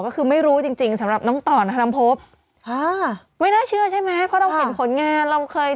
เธอคือเมย์เป็นคนเปิดสิ่งนั้นเดี๋ยวทรงงานด้วยเหรอ